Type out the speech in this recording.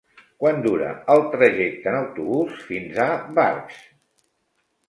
Quant dura el trajecte en autobús fins a Barx?